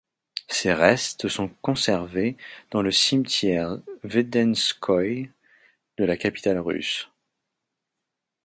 Ses restes sont conservés dans le cimetière Vvedenskoye de la capitale russe.